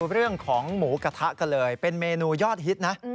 เรื่องของหมูกระทะกันเลยเป็นเมนูยอดฮิตนะ